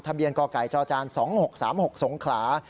ทะเบียนก่อไก่จอจาน๒๖๓๖สงขลา